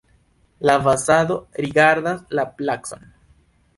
La fasado rigardas la placon.